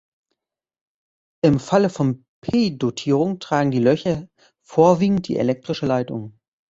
Im Falle von p-Dotierung tragen die Löcher vorwiegend die elektrische Leitung.